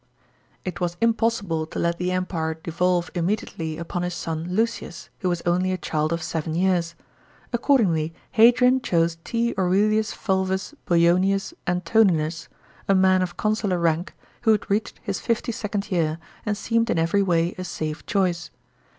§ 29. It was impossible to let the Empire de olve immediately Upon his son Lucius, who was only a child of seven years. Accordingly Hadrian chose T. AureliusFulvus Boionius Antoninus, a man of consular rank, who had reached his fifty second year, and seemed in every way a safe choice.